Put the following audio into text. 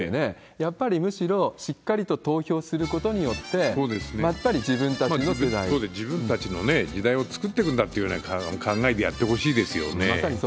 やっぱり、むしろしっかりと投票することによって、自分たちのね、時代を作ってくんだというような考えでやってほしいですよね。